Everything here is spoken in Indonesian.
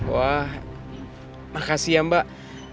wah makasih ya mbak